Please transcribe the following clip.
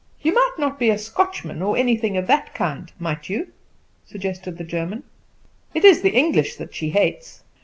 "You might not be a Scotchman or anything of that kind, might you?" suggested the German. "It is the English that she hates."